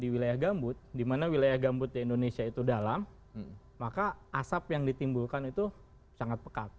di wilayah gambut di mana wilayah gambut di indonesia itu dalam maka asap yang ditimbulkan itu sangat pekat